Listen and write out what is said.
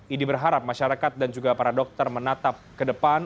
idi berharap masyarakat dan juga para dokter menatap ke depan